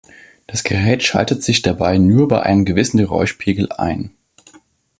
Das Gerät schaltet sich dabei nur bei einem gewissen Geräuschpegel ein.